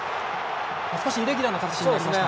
少しイレギュラーな形になりました。